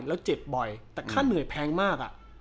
แล้วเจ็บบ่อยแต่ค่าเหนื่อยแพงมาก